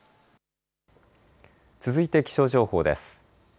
続いて気象情報です。